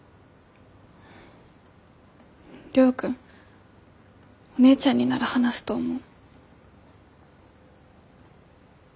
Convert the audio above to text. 亮君お姉ちゃんになら話すと思う。